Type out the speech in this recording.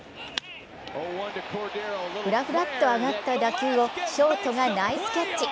ふらふらっと上がった打球をショートがナイスキャッチ。